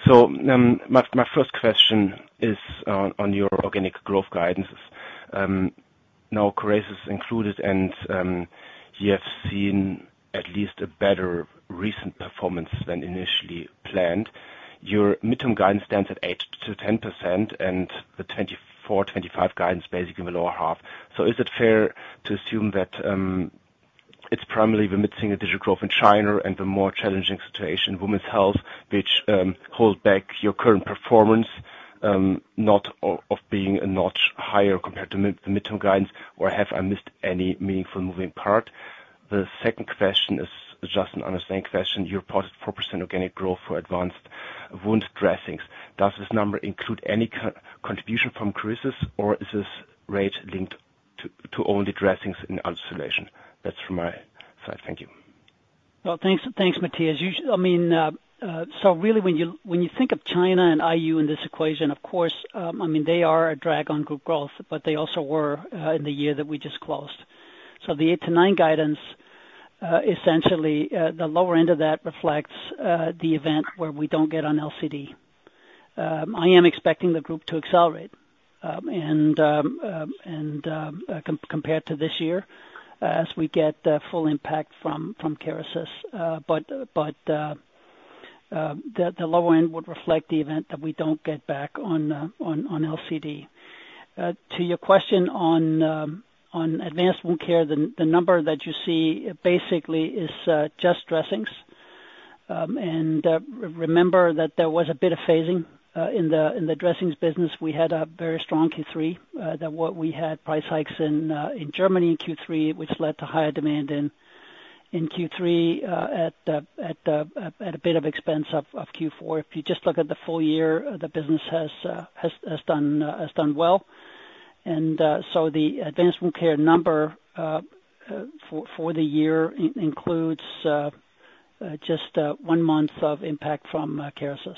So my first question is on your organic growth guidance. Now Kerecis is included, and you have seen at least a better recent performance than initially planned. Your mid-term guidance stands at 8%-10%, and the 2024-2025 guidance basically in the lower half. So is it fair to assume that it's primarily limiting the digital growth in China and the more Women's Health, which hold back your current performance, not of being a notch higher compared to the mid-term guidance, or have I missed any meaningful moving part? The second question is just an understanding question. You reported 4% organic growth for Advanced Wound Dressings. Does this number include any contribution from Kerecis, or is this rate linked to only dressings in isolation? That's from my side. Thank you. Well, thanks, Mattias. I mean, so really, when you think of China and IU in this equation, of course, I mean, they are a drag on group growth, but they also were in the year that we just closed. So the 8%-9% guidance, essentially, the lower end of that reflects the event where we don't get on LCD. I am expecting the group to accelerate and compare to this year as we get full impact from Kerecis. But the lower end would reflect the event that we don't get back on LCD. To your question on Advanced Wound Care, the number that you see basically is just dressings. And remember that there was a bit of phasing in the dressings business. We had a very strong Q3. We had price hikes in Germany in Q3, which led to higher demand in Q3 at a bit of expense of Q4. If you just look at the full year, the business has done well. And so the Advanced Wound Care number for the year includes just one month of impact from Kerecis.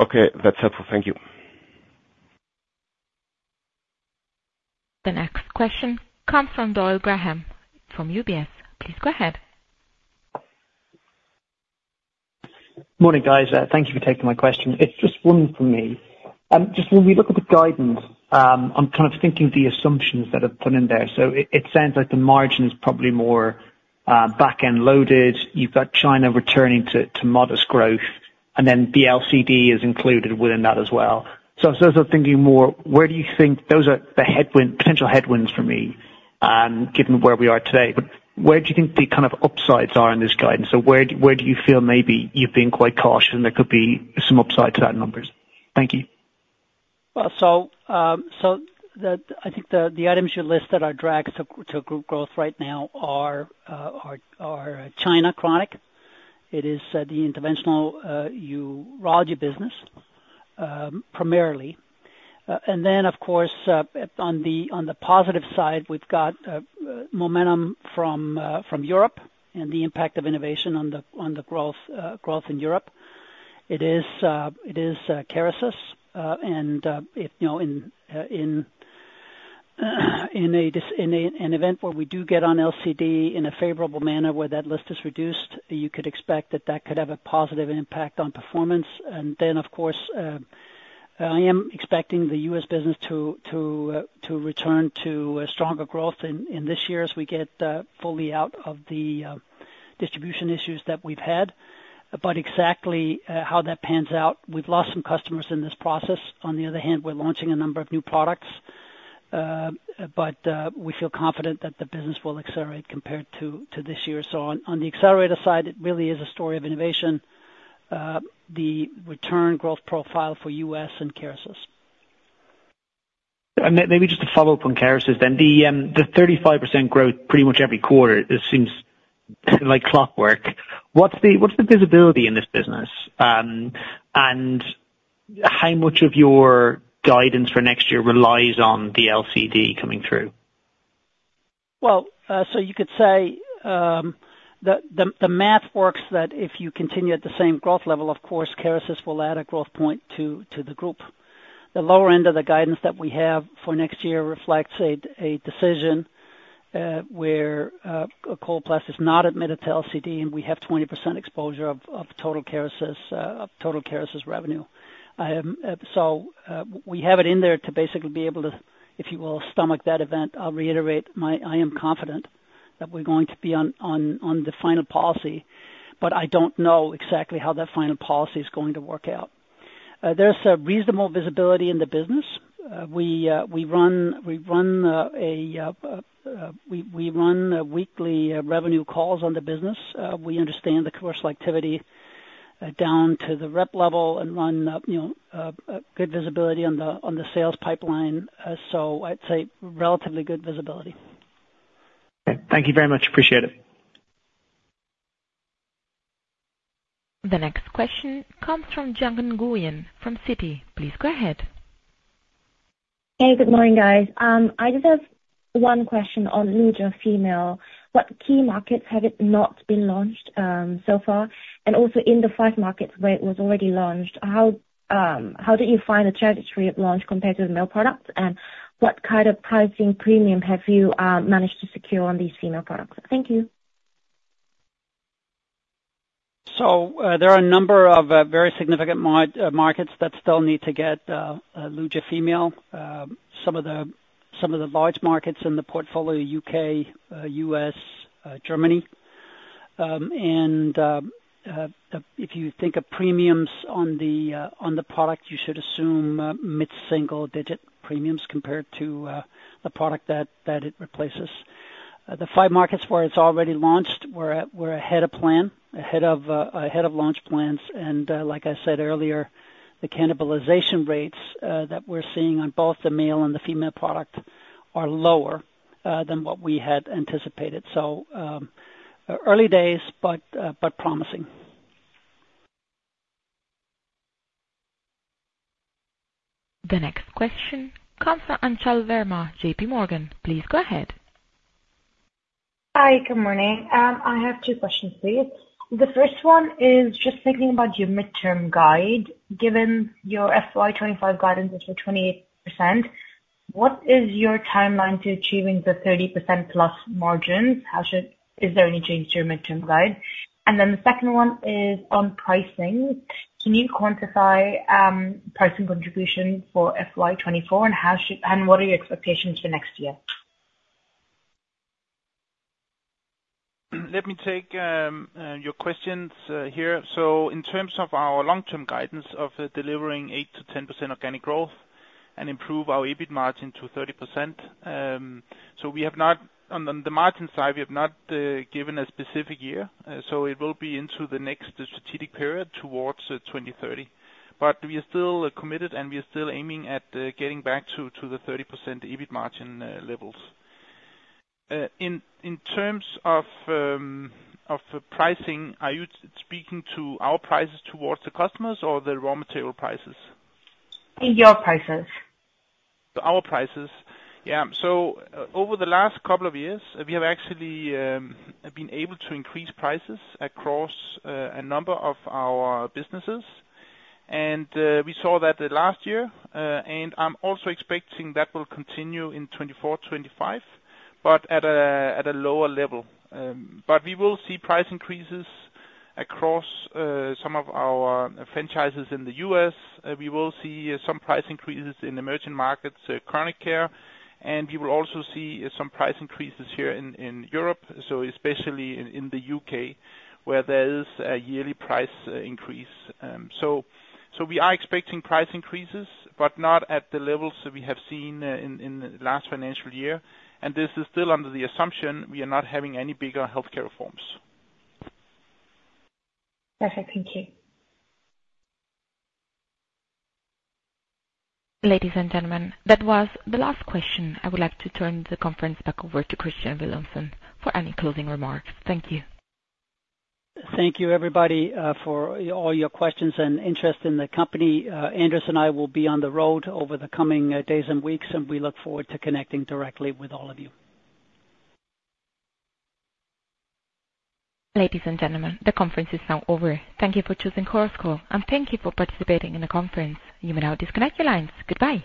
Okay. That's helpful. Thank you. The next question comes from Graham Doyle from UBS. Please go ahead. Morning, guys. Thank you for taking my question. It's just one for me. Just when we look at the guidance, I'm kind of thinking the assumptions that are put in there. So it sounds like the margin is probably more back-end loaded. You've got China returning to modest growth, and then the LCD is included within that as well. So I'm sort of thinking more, where do you think those are the potential headwinds for me, given where we are today? But where do you think the kind of upsides are in this guidance? So where do you feel maybe you've been quite cautious and there could be some upside to that in numbers? Thank you. Well, so I think the items you list that are drags to group growth right now are China Chronic. It is the Interventional Urology business primarily. And then, of course, on the positive side, we've got momentum from Europe and the impact of innovation on the growth in Europe. It is Kerecis. And in an event where we do get on LCD in a favorable manner where that list is reduced, you could expect that that could have a positive impact on performance. And then, of course, I am expecting the U.S. business to return to stronger growth in this year as we get fully out of the distribution issues that we've had. But exactly how that pans out, we've lost some customers in this process. On the other hand, we're launching a number of new products, but we feel confident that the business will accelerate compared to this year. So on the accelerator side, it really is a story of innovation, the return growth profile for U.S. and Kerecis. Maybe just a follow-up on Kerecis then. The 35% growth pretty much every quarter, it seems like clockwork. What's the visibility in this business? And how much of your guidance for next year relies on the LCD coming through? So you could say the math works that if you continue at the same growth level, of course, Kerecis will add a growth point to the group. The lower end of the guidance that we have for next year reflects a decision where Coloplast is not admitted to LCD, and we have 20% exposure of total Kerecis revenue. So we have it in there to basically be able to, if you will, stomach that event. I'll reiterate, I am confident that we're going to be on the final policy, but I don't know exactly how that final policy is going to work out. There's a reasonable visibility in the business. We run a weekly revenue calls on the business. We understand the commercial activity down to the rep level and run good visibility on the sales pipeline. So I'd say relatively good visibility. Thank you very much. Appreciate it. The next question comes from June Nguyen from Citi. Please go ahead. Hey, good morning, guys. I just have one question on Luja female. What key markets have it not been launched so far? And also in the five markets where it was already launched, how did you find the trajectory of launch compared to the male products? And what kind of pricing premium have you managed to secure on these female products? Thank you. So there are a number of very significant markets that still need to get a Luja female, some of the large markets in the portfolio, U.K., U.S., Germany. And if you think of premiums on the product, you should assume mid-single-digit premiums compared to the product that it replaces. The five markets where it's already launched, we're ahead of plan, ahead of launch plans. And like I said earlier, the cannibalization rates that we're seeing on both the male and the female product are lower than what we had anticipated. So early days, but promising. The next question comes from Anchal Verma, J.P. Morgan. Please go ahead. Hi. Good morning. I have two questions, please. The first one is just thinking about your mid-term guide. Given your FY2025 guidance is for 28%, what is your timeline to achieving the 30% plus margin? Is there any change to your mid-term guide? And then the second one is on pricing. Can you quantify pricing contribution for FY2024, and what are your expectations for next year? Let me take your questions here. So in terms of our long-term guidance of delivering 8%-10% organic growth and improve our EBIT margin to 30%. So we have not, on the margin side, we have not given a specific year. So it will be into the next strategic period towards 2030. But we are still committed, and we are still aiming at getting back to the 30% EBIT margin levels. In terms of pricing, are you speaking to our prices towards the customers or the raw material prices? Your prices. Our prices. Yeah. Over the last couple of years, we have actually been able to increase prices across a number of our businesses. And we saw that last year. And I'm also expecting that will continue in 2024-2025, but at a lower level. But we will see price increases across some of our franchises in the U.S. We will see some price increases in emerging markets, Chronic Care. And we will also see some price increases here in Europe, so especially in the U.K., where there is a yearly price increase. So we are expecting price increases, but not at the levels we have seen in the last financial year. And this is still under the assumption we are not having any bigger healthcare reforms. Perfect. Thank you. Ladies and gentlemen, that was the last question. I would like to turn the conference back over to Kristian Villumsen for any closing remarks. Thank you. Thank you, everybody, for all your questions and interest in the company. Anders and I will be on the road over the coming days and weeks, and we look forward to connecting directly with all of you. Ladies and gentlemen, the conference is now over. Thank you for choosing Coloplast, and thank you for participating in the conference. You may now disconnect your lines. Goodbye.